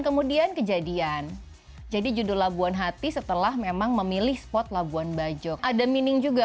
kemudian kejadian jadi judul labuan hati setelah memang memilih spot labuan bajo ada meaning juga